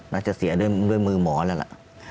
น่าจะเสียด้วยมือหมอแล้วล่ะ